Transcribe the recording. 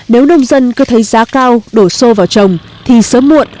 nếu nông dân cứ thấy giá cao đổ xô vào trồng thì sớm muộn